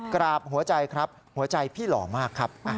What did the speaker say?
กราบหัวใจครับหัวใจพี่หล่อมากครับ